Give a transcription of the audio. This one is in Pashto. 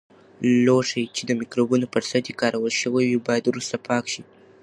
لوښي چې د مکروبونو پر سطحې کارول شوي وي، باید وروسته پاک شي.